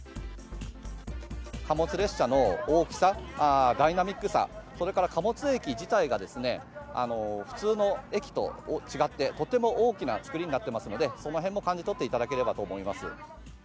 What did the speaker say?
貨物列車の大きさ、ダイナミックさ、それから、貨物駅自体がですね、普通の駅と違って、とっても大きな造りになってますので、そのへんも感じ取っていただければと思います。